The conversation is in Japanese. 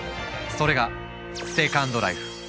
それが「セカンドライフ」。